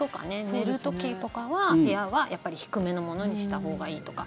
寝る時とかは、部屋はやっぱり低めのものにしたほうがいいとか。